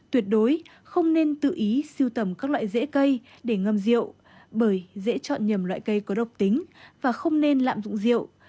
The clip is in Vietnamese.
tuyệt đối không nên tự ý siêu tầm các loại dễ cây để ngâm rượu bởi dễ chọn nhầm loại cây có độc tính và không nên lạm dụng rượu